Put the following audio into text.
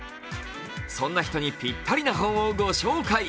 そんな人にぴったりな本をご紹介。